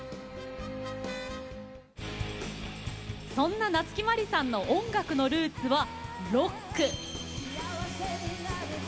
そんな夏木マリさんの音楽のルーツはロック。